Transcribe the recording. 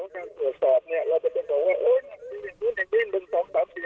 ในเรื่องของเรื่องส่วนสอบเนี่ย